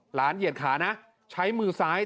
หลานเหยียดขาใช้มือซ้าย